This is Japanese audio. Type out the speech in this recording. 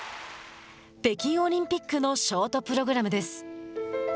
北京オリンピックのショートプログラムです。